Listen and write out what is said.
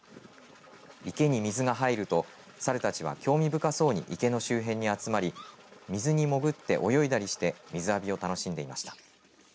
池に水が入ると猿たちは興味深そうに池の周辺に集まり水に潜って泳いだりして水浴びを楽しんでいました。